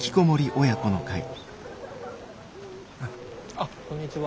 あっこんにちは。